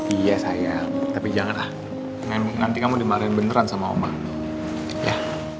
iya saya tapi janganlah nanti kamu dimarahin beneran sama omang ya